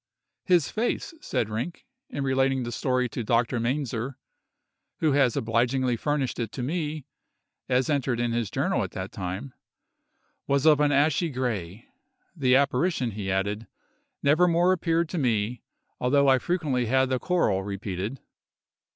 "His face," said Rinck—in relating the story to Dr. Mainzer, who has obligingly furnished it to me as entered in his journal at the time—"was of an ashy gray. The apparition," he added, "never more appeared to me, although I frequently had the choral repeated."